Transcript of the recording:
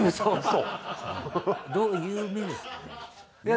どういう目ですかね。